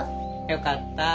よかった。